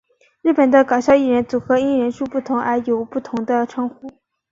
日本的搞笑艺人组合因人数不同而有不同的称呼。